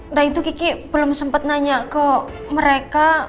nah itu kiki belum sempat nanya ke mereka